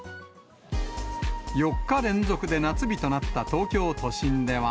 ４日連続で夏日となった東京都心では。